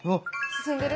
進んでる？